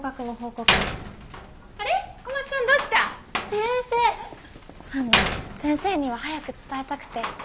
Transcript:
あの先生には早く伝えたくて。